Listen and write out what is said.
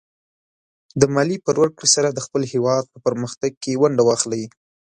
د مالیې په ورکړې سره د خپل هېواد په پرمختګ کې ونډه واخلئ.